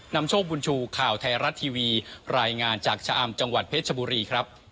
นำโชคบุญชูข่าวไทยรัฐทีวีรายงานจากชะอำจังหวัดเพชรชบุรีครับ